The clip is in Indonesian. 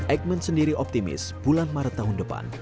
eijkman sendiri optimis bulan maret tahun depan